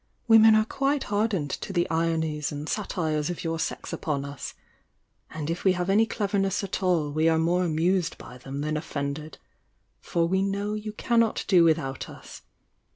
"Women are quite hardened to the ironies and satires of your sex upon us,— and If we have any cleverness at all we are more amused by them than offended. For we know you cannot do without us!